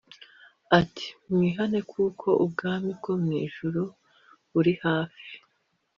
ati “Mwihane kuko ubwami bwo mu ijuru buri hafi.”